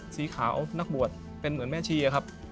สีขาวนักบวชเป็นเหมือนแม่ชีครับ